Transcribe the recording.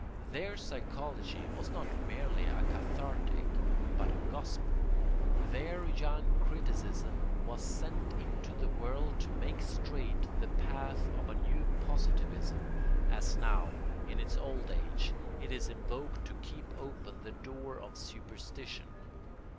Their psychology was not merely a cathartic, but a gospel. Their young criticism was sent into the world to make straight the path of a new positivism, as now, in its old age, it is invoked to keep open the door to superstition.